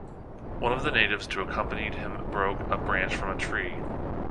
One of the natives to accompanied him broke a branch from a tree.